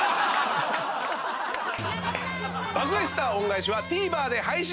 『爆買い☆スター恩返し』はＴＶｅｒで配信中。